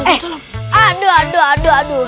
eh aduh aduh aduh aduh